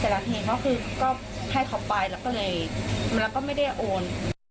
แต่ละทีเค้าคือก็ให้เค้าไปแล้วก็เลยแล้วก็ไม่ได้โอน